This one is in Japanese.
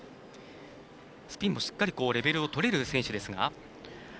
スピンもしっかりレベルをとれる選手ですが。